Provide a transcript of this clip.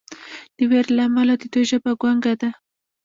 د ویرې له امله د دوی ژبه ګونګه ده.